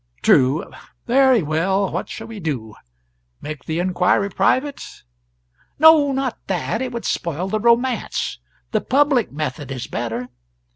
"True. Very well, what shall we do make the inquiry private? No, not that; it would spoil the romance. The public method is better.